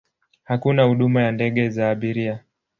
Hakuna huduma ya ndege za abiria.